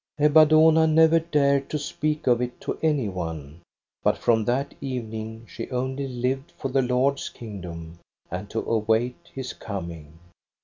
" Ebba Dohna never dared to speak of it to any one ; but from that evening she only lived for the Lord's kingdom, and to await his coming.